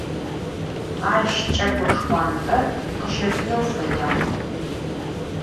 Aş ç'ako şşxhuant'e khışefıneu feyağ.